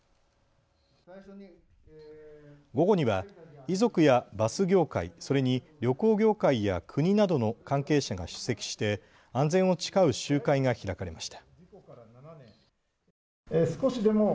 午後には遺族やバス業界、それに旅行業界や国などの関係者が出席して安全を誓う集会が開かれました。